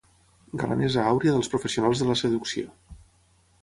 Galanesa àuria dels professionals de la seducció.